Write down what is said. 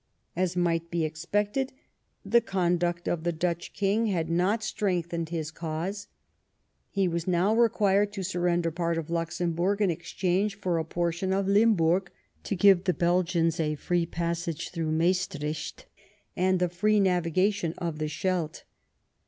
As might be expected, the conduct of the Dutch King had not strengthened his BELGIAN INDEPENDENCE. 49 cause. He was now required to surrender part of liuxemburg in exchange for a portion of Limburg, to give the Belgians a free passage through Maestricht and the free navigation of the Scheldt.